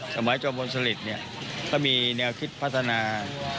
สมัยจบบนสลิศก็มีเนื้อคิดพัฒนา